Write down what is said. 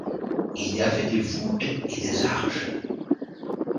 Il y avait des voûtes et des arches.